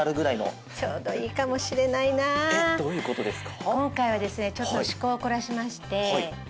えっどういう事ですか？